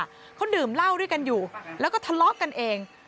เขาดื่มเหล้าด้วยกันอยู่แล้วก็ทะเลาะกันเอง